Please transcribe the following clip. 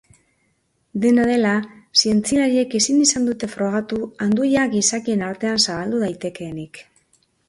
Dena dela, zientzialariek ezin izan dute frogatu anduia gizakien artean zabaldu daitekeenik.